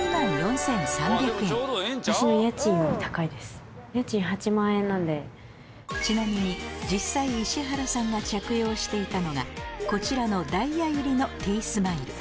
そのお値段はちなみに実際石原さんが着用していたのがこちらのダイヤ入りのＴスマイル